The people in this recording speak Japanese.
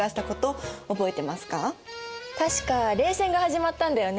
確か冷戦が始まったんだよね？